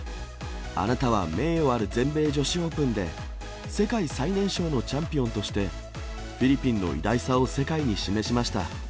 あなたは名誉ある全米女子オープンで、世界最年少のチャンピオンとして、フィリピンの偉大さを世界に示しました。